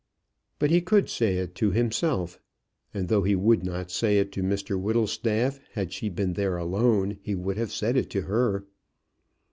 But he could say it to himself. And though he would not say it to Mr Whittlestaff, had she been there alone, he would have said it to her.